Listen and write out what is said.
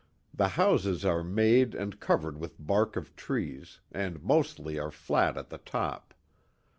The houses are made and covered with bark of trees, and mostly are flat at the top.